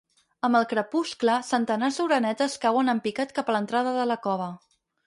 Amb el crepuscle, centenars d'orenetes cauen en picat cap a l'entrada de la cova.